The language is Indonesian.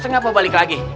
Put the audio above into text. ustadz kenapa balik lagi